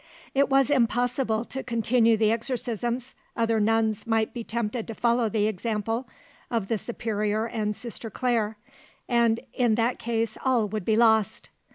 It was impossible to continue the exorcisms other nuns might be tempted to follow the example, of the superior and Sister Claire, and in that case all would be lost.